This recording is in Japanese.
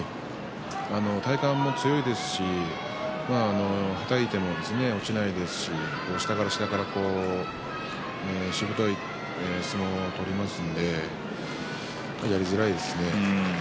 体幹も強いですしはたいても落ちないですし下から下からしぶとい相撲を取りますのでやりづらいですね。